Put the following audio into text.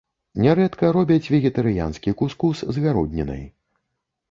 Нярэдка робяць вегетарыянскі кус-кус з гароднінай.